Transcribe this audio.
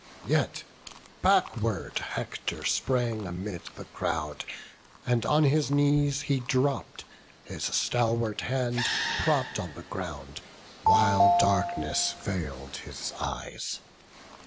Yet backward Hector sprang amid the crowd, And on his knees he dropp'd, his stalwart hand Propp'd on the ground; while darkness veil'd his eyes.